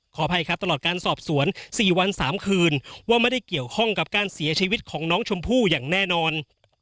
ขออภัยครับตลอดการสอบสวน๔วัน๓คืนว่าไม่ได้เกี่ยวข้องกับการเสียชีวิตของน้องชมพู่อย่างแน่นอน